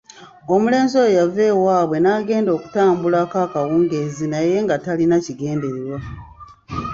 Omulenzi oyo yava ewaabwe n'agenda okutambulako akawungeezi naye nga talina kigendererwa.